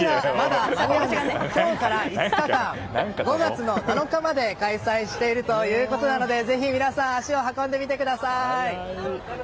今日から５日間、５月７日まで開催しているということなのでぜひ、皆さん足を運んでみてください。